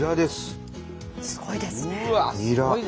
すごいですね。